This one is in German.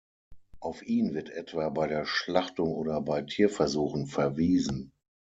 Auf ihn wird etwa bei der Schlachtung oder bei Tierversuchen verwiesen.